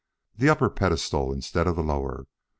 The upper pedestal instead of the lower!